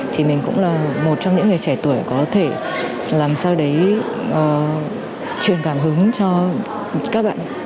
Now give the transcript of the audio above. thì mình cũng là một trong những người trẻ tuổi có thể làm sao đấy truyền cảm hứng cho các bạn